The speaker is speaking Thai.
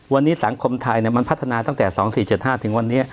วันนี้สังคมไทยมันพัฒนาตั้งแต่๒๔๗๕ถึงวันนี้